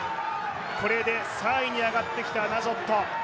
これで３位に上がってきたナジョット。